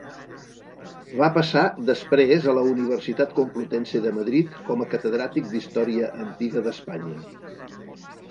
Va passar després a la Universitat Complutense de Madrid com a catedràtic d'Història Antiga d'Espanya.